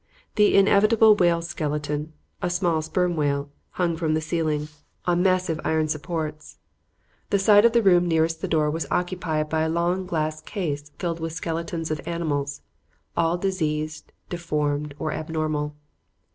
The inevitable whale's skeleton a small sperm whale hung from the ceiling, on massive iron supports. The side of the room nearest the door was occupied by a long glass case filled with skeletons of animals, all diseased, deformed or abnormal.